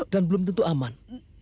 dan belum tentu aman